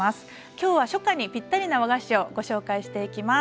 今日は初夏にぴったりな和菓子をご紹介していきます。